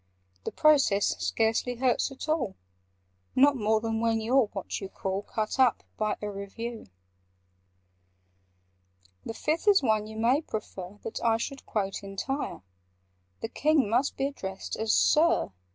The process scarcely hurts at all— Not more than when you 're what you call 'Cut up' by a Review. "The Fifth is one you may prefer That I should quote entire:— The King must be addressed as 'Sir.